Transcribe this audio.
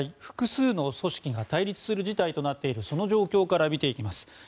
複数の組織が対立する事態となっているその状況から見ていきます。